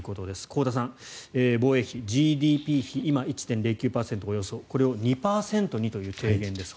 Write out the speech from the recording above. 香田さん、防衛費ＧＤＰ比今、およそ１．０９％これを２％にという提言です。